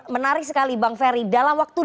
menarik sekali bang ferry dalam waktu